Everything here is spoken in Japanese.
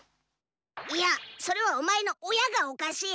イヤそれはお前の親がおかしい。